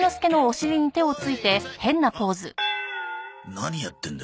何やってんだ？